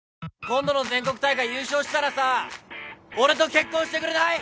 今度の全国大会優勝したらさ俺と結婚してくれない？